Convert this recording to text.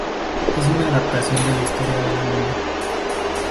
Es una adaptación de la historia del anime.